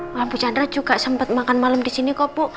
mbak bu chandra juga sempet makan malem di sini kok bu